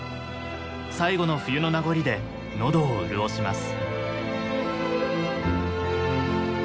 最後の冬の名残で喉を潤します。